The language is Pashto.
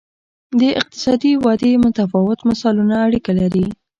د اقتصادي ودې متفاوت مثالونه اړیکه لري.